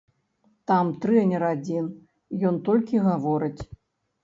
Там трэнер адзін, ён толькі гаворыць.